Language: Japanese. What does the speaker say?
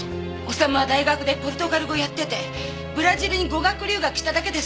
修は大学でポルトガル語やっててブラジルに語学留学しただけです。